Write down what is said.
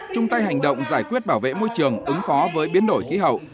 chung tay hành động giải quyết bảo vệ môi trường ứng phó với biến đổi khí hậu